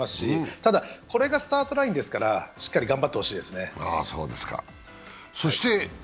ただ、これがスタートラインですからしっかり頑張ってほしいです。